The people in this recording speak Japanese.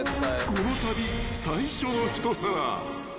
［この旅最初の一皿］